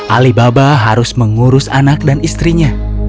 alibaba harus mengurus anak dan istrinya